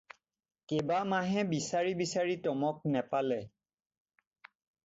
কেবা মাহে বিচাৰি বিচাৰি টমক নেপালে।